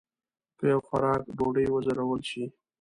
په یو خوراک ډوډۍ وځورول شي.